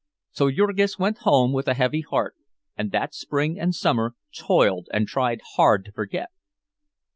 So Jurgis went home with a heavy heart, and that spring and summer toiled and tried hard to forget.